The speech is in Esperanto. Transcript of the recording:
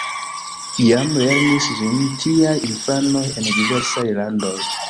Jam lernis ĝin tiaj infanoj en diversaj landoj.